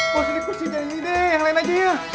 bos ini kursi jalan ide yang lain aja ya